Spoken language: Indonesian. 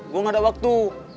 gue gak ada waktu